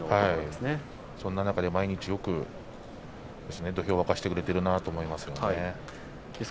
そんな中で毎日よく土俵を沸かせてくれているなと思いますね。